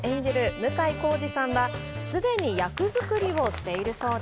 向井康二さんは、すでに役作りをしているそうで。